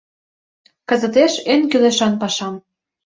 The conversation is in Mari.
— Кызытеш эн кӱлешан пашам.